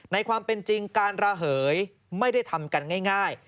ในความเป็นจริงการระเหยไม่ได้ทำกันง่าย